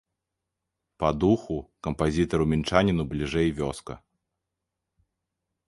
Па духу, кампазітару-мінчаніну бліжэй вёска.